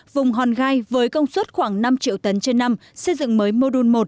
vùng hòn gai với công suất khoảng năm triệu tấn trên năm xây dựng mới mô đun một